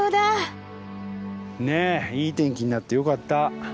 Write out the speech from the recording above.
ねえいい天気になってよかった。